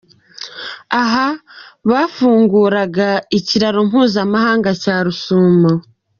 Aha bafunguraga ikiraro mpuzamahanga cya Rusumo.